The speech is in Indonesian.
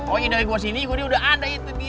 oh iya dari gue sini gue udah ada itu dia